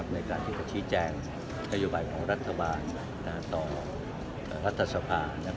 ในการที่จะชี้แจ้งกระยุบัติของฤทธาบาลต่อรัฐสภาษณ์